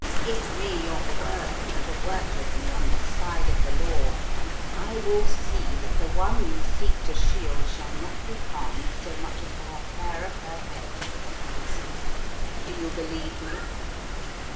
"Give me your word to work with me, on the side of the law, and I will see that the one you seek to shield shall not be harmed so much as by a hair of her head," he said. "Do you believe me?"